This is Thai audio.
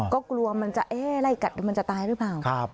ก็กลัวมันจะเอ๊ะไล่กัดมันจะตายหรือเปล่าครับ